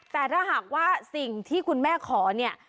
แต่ถ้าหากว่าสิ่งที่คุณแม่ขอเนี่ย